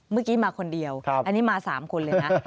เมื่อกี้มาคนเดียวอันนี้มา๓คนเลยนะ